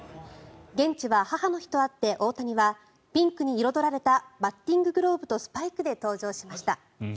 現地は母の日とあって大谷はピンクに彩られたバッティンググローブとスパイクで登場しました。